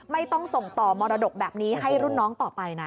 ไม่ต้องส่งต่อมรดกแบบนี้ให้รุ่นน้องต่อไปนะ